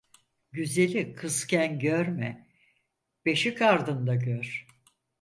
Güzeli kızken görme, beşik ardında gör.